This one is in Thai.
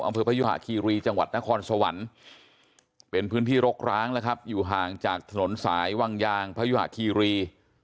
พยุหะคีรีจังหวัดนครสวรรค์เป็นพื้นที่รกร้างแล้วครับอยู่ห่างจากถนนสายวังยางพยุหะคีรี